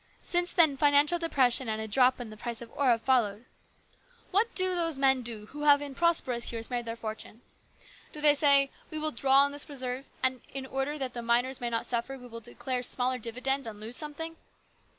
Since then financial depression and a drop in the price of ore have followed. What do those men do who have in prosperous years made their fortunes ? Do they say, 'We will draw on this reserve, and in order that the miners may not suffer we will declare smaller dividends and lose something?'